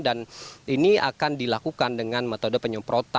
dan ini akan dilakukan dengan metode penyemprotan